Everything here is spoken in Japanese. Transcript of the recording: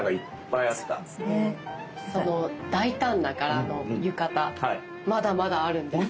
大胆な柄の浴衣まだまだあるんです。